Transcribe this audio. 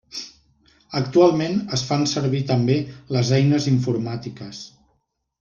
Actualment es fan servir també les eines informàtiques.